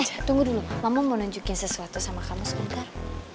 saya tunggu dulu kamu mau nunjukin sesuatu sama kamu sebentar